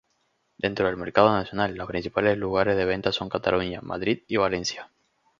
Dentro del mercado nacional, los principales lugares de venta son Cataluña, Madrid y Valencia.